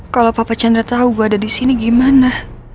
kalau papa chandra tau gue ada disini gimana